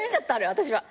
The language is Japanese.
私は。